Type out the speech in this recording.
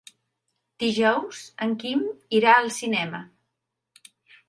Dijous en Quim irà al cinema.